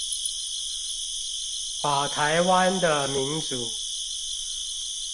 把臺灣的民主